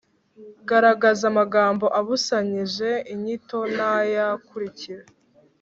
Garagaza amagambo abusanyije inyito n’aya akurikira